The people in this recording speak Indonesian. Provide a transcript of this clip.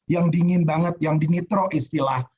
yang dingin banget yang dinitro istilah